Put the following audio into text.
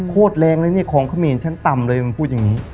แรงเลยเนี่ยของเขมรชั้นต่ำเลยมันพูดอย่างนี้